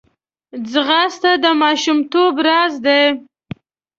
ځغاسته د ماشومتوب راز دی